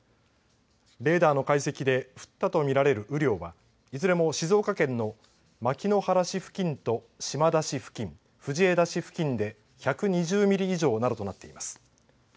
レーダーの解析で降ったと見られる雨量はいずれも静岡県の牧之原市付近と島田市付近藤枝市付近で１２０ミリ以上などとなっています。